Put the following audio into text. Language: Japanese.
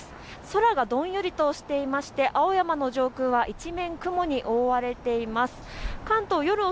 空がどんよりとしていまして青山の上空は一面雲に覆われています。